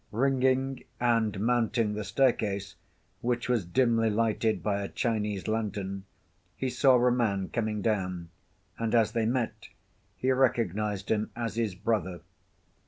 Ringing, and mounting the staircase, which was dimly lighted by a Chinese lantern, he saw a man coming down, and as they met, he recognized him as his brother.